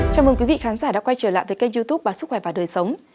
chào mừng quý vị khán giả đã quay trở lại với kênh youtube báo sức khỏe và đời sống